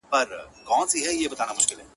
چي پر مځکه دهقان کښت کاوه د سونډو-